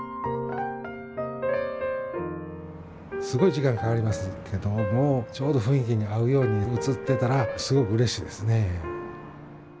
すごい時間かかりますけどもちょうど雰囲気に合うように映ってたらすごくうれしいですね。